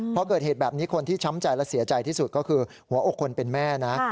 พอเกิดเหตุแบบนี้คนที่ช้ำใจและเสียใจที่สุดก็คือหัวอกคนเป็นแม่นะ